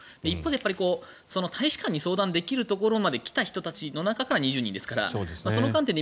一方で、大使館に相談できるところまで来た人の中から２０人ですから。